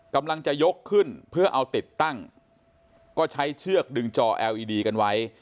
กำลังจะยกขึ้นเพื่อเอาติดตั้งก็ใช้เชือกดึงจอเอลอีดีกันไว้